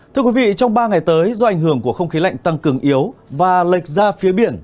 thưa quý vị trong ba ngày tới do ảnh hưởng của không khí lạnh tăng cường yếu và lệch ra phía biển